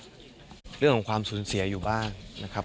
เราก็จะมีความรู้สึกเรื่องของความสูญเสียอยู่บ้างนะครับ